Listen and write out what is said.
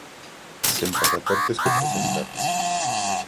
Sen pasaportes que presentar.